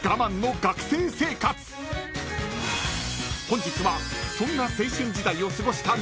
［本日はそんな青春時代を過ごした］